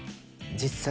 実際。